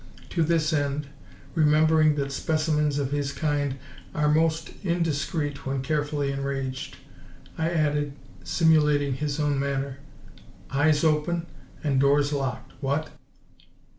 To this end, remembering that specimens of his kind are most indiscreet when carefully enraged, I added, simulating his own manner: "Eyes open and doors locked! What?"